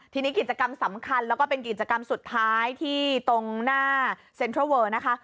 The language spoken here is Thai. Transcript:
ทีนี้กิจกรรมสำคัญแล้วก็เป็นกิจกรรมสุดท้ายที่ตรงหน้าเซ็นทรัลเวอร์นะคะ